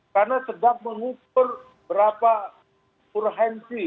karena sedang mengukur berapa kurhensi